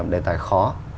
một đề tài khó